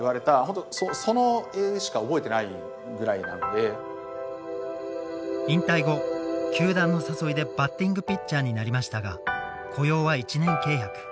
で自分が引退後球団の誘いでバッティングピッチャーになりましたが雇用は１年契約。